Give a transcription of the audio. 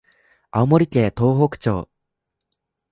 青森県東北町